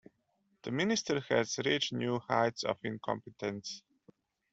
The Minister has reached new heights of incompetence.